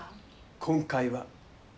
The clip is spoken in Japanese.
今回は。